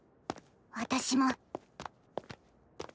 私も。